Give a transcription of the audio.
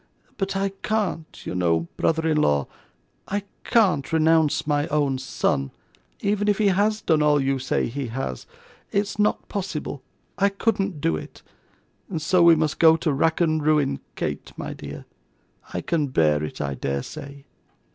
But I can't, you know, brother in law, I can't renounce my own son, even if he has done all you say he has it's not possible; I couldn't do it; so we must go to rack and ruin, Kate, my dear. I can bear it, I dare say.